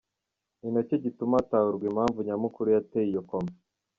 ninacyo gituma hatahurwa impamvu nyamukuru yateye iyo coma.